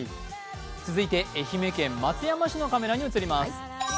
続いて愛媛県松山市のカメラに移ります。